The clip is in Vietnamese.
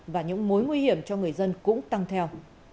và những mối nguy hiểm cho người dân cũng tăng theo